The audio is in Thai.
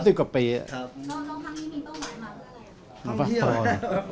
ครั้งนี้มีต้องมาทำอะไร